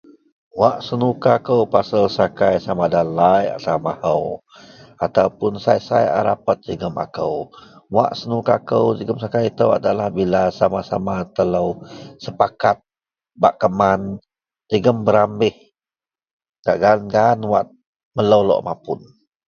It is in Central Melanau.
Wak senuka kou pasel sakai sama nda lai atau mahou ataupun sai-sai a rapet jegem akou. Wak senuka kou jegem sakai itou adalah bila sama-sama telou sepakat bak keman jegem berambeh gak gaan-gaan wak melou lok mapun.